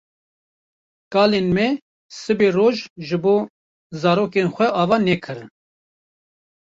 Kalên me siberoj ji bo zarokên xwe ava nekirin.